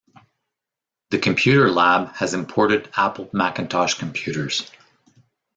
The computer lab has imported Apple Macintosh computers.